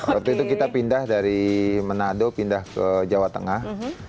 waktu itu kita pindah dari manado pindah ke jawa tengah